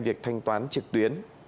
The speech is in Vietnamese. việc thanh toán trực tuyến